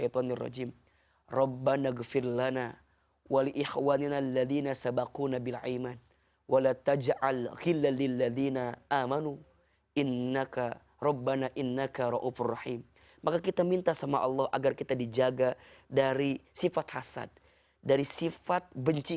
terima kasih ibu menteri